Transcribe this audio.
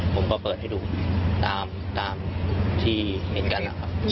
ผมก็เปิดให้ดูตามที่เห็นกัน